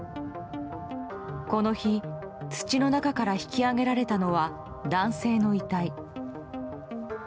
この日、土の中から引き上げられたのは男性の遺体。